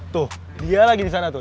tuh dia lagi disana tuh